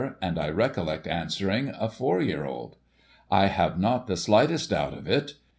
and I recollect answering, a four year old. I have not the slightest doubt of it. Mr.